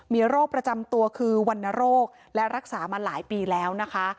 มีโรคประจำตัวคือวรรณโรคและรักษามาหลายปีแล้วนะคะ